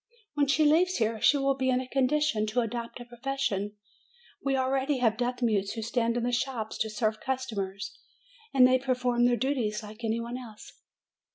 When she leaves here, she will be in a condition to adopt a profession. We already have deaf mutes who stand in the shops to serve customers, and they perform their duties like any one else."